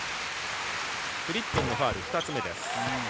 フリッピンのファウル２つ目です。